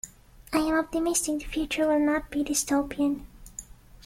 I am optimistic the future will not be Dystopian.